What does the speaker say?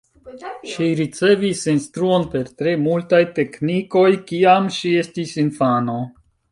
Ŝi ricevis instruon per tre multaj teknikoj kiam ŝi estis infano.